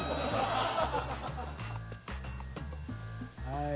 ［はい］